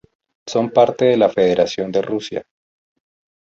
Son parte de la Federación de Rusia.